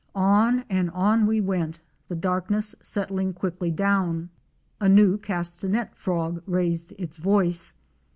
On and on we went, the darkness settling quickly down. A new Castanet Frog raised its voice.